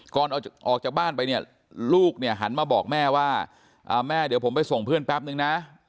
ก่อนออกจากบ้านไปเนี่ยลูกเนี่ยหันมาบอกแม่ว่าแม่เดี๋ยวผมไปส่งเพื่อนแป๊บนึงนะ